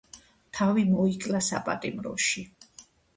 თავი მოიკლა საპატიმროში.